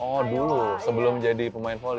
oh dulu sebelum jadi pemain volley